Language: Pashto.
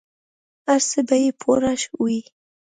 هر څه به یې پوره وي.